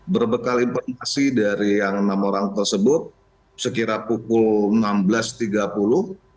berbekal informasi dari yang enam orang tersebut sekira pukul enam belas tiga puluh